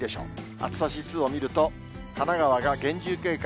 暑さ指数を見ると、神奈川が厳重警戒。